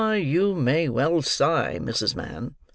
You may well sigh, Mrs. Mann!"